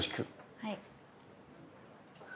はい。